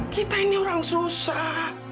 kita ini orang susah